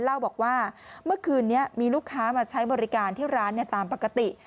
เล่าบอกว่าเมื่อคืนนี้มีลูกค้ามาใช้บริการที่ร้านตามปกติ